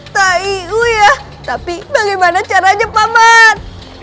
tapi bagaimana caranya pak man